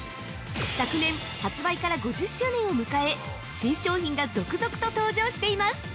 昨年発売から５０周年を迎え、新商品が続々と登場しています。